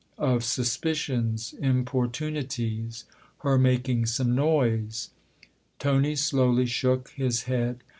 " Of suspicions importunities ; her making some noise." Tony slowly shook his head.